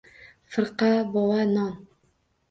— Firqa bova, non